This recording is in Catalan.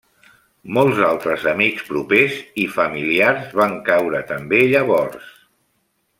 Molts altres amics propers i familiars van caure també llavors.